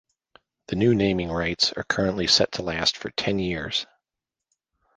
The new naming rights are currently set to last for ten years.